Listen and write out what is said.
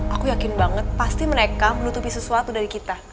aku yakin banget pasti mereka menutupi sesuatu dari kita